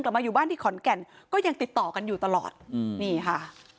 มาอยู่บ้านที่ขอนแก่นก็ยังติดต่อกันอยู่ตลอดอืมนี่ค่ะ